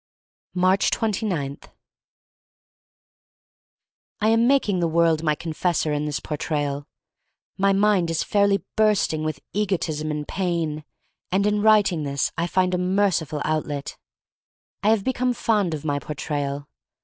Aatcb 29. I AM making the world my confessor in this Portrayal. My mind is fairly bursting with egotism and pain, and in writing this I find a merci ful outlet. I have become fond of my Portrayal.